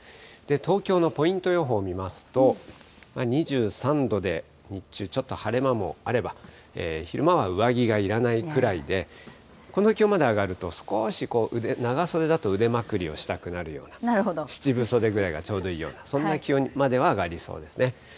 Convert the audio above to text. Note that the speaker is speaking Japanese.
東京のポイント予報、２３度で日中ちょっと晴れ間もあれば、昼間は上着がいらないくらいで、この気温まで上がると、少し長袖だと腕まくりをしたくなるような、七分袖くらいがちょうどいいような、そんな気温までは上がりそうですね。